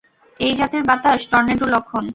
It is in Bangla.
এই জাতের বাতাস, টর্নেডোর লক্ষণ।